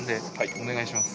お願いします。